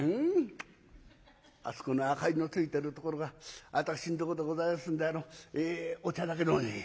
「あそこの赤いのついてるところが私のとこでございますんでお茶だけでも」。